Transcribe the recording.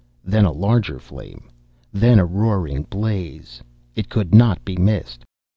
Then a larger flame. Then a roaring blaze! It could not be missed!